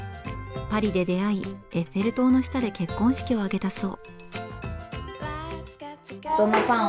パリで出会いエッフェル塔の下で結婚式を挙げたそう。